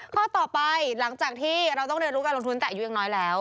ข้อต่อไปหลังจากที่เราต้องเรียนรู้การลงทุนแต่อายุยังน้อยแล้ว